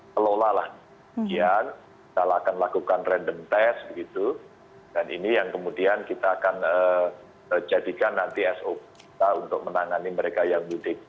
kemudian kita akan lakukan random test gitu dan ini yang kemudian kita akan jadikan nanti sgo untuk menangani mereka yang mudik